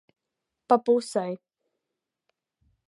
Pa pusei.